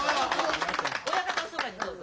親方のそばにどうぞ。